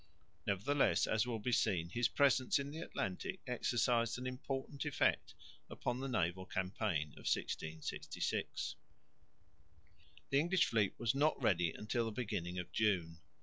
Nevertheless, as will be seen, his presence in the Atlantic exercised an important effect upon the naval campaign of 1666. The English fleet was not ready until the beginning of June.